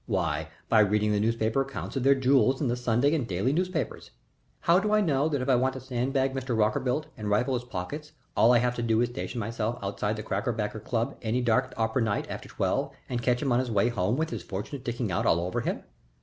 Why, by reading the newspaper accounts of their jewels in the Sunday and daily newspapers. How do I know that if I want to sand bag Mr. Rockerbilt and rifle his pockets all I have to do is to station myself outside the Crackerbaker Club any dark opera night after twelve and catch him on his way home with his fortune sticking out all over him?